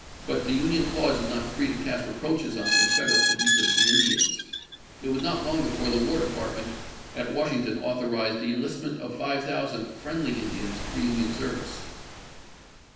But the Union cause is not free to cast reproaches on the Confederates for the use of the Indians. It was not long before '^Ha/K the War Department at Washington authorized the iS'"''w.^r. enlistment of five thousand friendly Indians for ^piS""' Union service.